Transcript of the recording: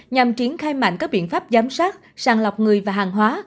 nhằm triển khai mạnh các biện pháp giám sát sàng lọc người và hàng hóa